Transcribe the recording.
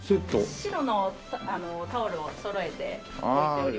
白のタオルをそろえて置いておりまして。